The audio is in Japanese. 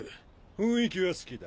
雰囲気は好きだ。